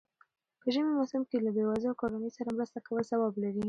په ژمی موسم کی له بېوزلو کورنيو سره مرسته کول ثواب لري.